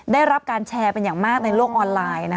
ได้รับการแชร์เป็นอย่างมากในโลกออนไลน์